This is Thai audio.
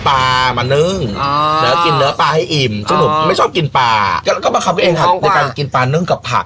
แล้วก็มาขับกันเองกับกินปลาเนิ่งกับผัก